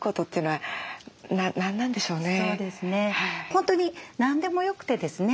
本当に何でもよくてですね